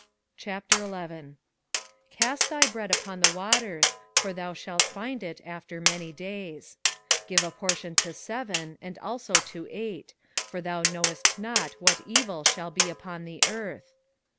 21:011:001 Cast thy bread upon the waters: for thou shalt find it after many days. 21:011:002 Give a portion to seven, and also to eight; for thou knowest not what evil shall be upon the earth.